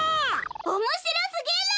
おもしろすぎる！